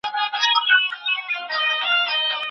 استادان باید له خپلو محصلینو سره تل نژدي او دوستانه چلند وکړي.